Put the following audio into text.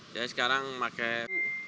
jadi sekarang pakai